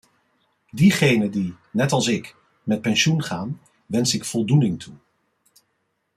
Diegenen die, net als ik, met pensioen gaan, wens ik voldoening toe.